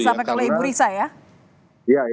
yang disampaikan oleh ibu lisa ya